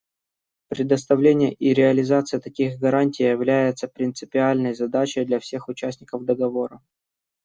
Предоставление и реализация таких гарантий является принципиальной задачей для всех участников Договора.